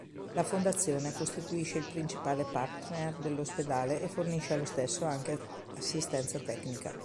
La Fondazione costituisce il principale partner dell'ospedale e fornisce allo stesso anche assistenza tecnica.